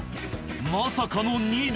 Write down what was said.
まさかの２台。